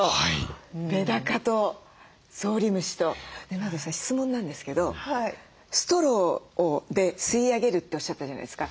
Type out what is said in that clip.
名取さん質問なんですけどストローで吸い上げるっておっしゃったじゃないですか。